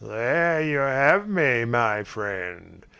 "There you have me, my friend.